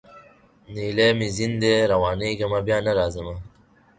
نیلی مي ځین دی روانېږمه بیا نه راځمه